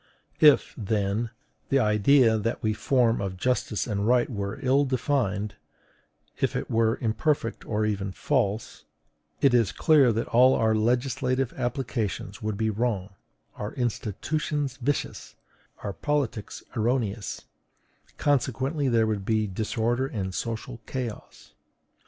If, then, the idea that we form of justice and right were ill defined, if it were imperfect or even false, it is clear that all our legislative applications would be wrong, our institutions vicious, our politics erroneous: consequently there would be disorder and social chaos.